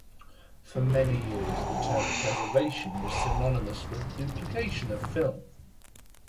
For many years the term "preservation" was synonymous with "duplication" of film.